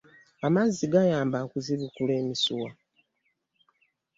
Amazzi gayamba okuzibukula emisuwa.